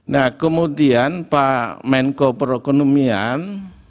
nah kemudian pak menko perekonomian